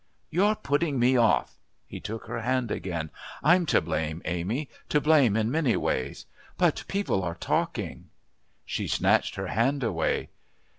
"You're putting me off." He took her hand again. "I'm to blame, Amy to blame in many ways. But people are talking." She snatched her hand away.